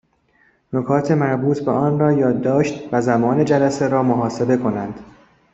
نکات مربوط به آن را یادداشت و زمان جلسه را محاسبه کنند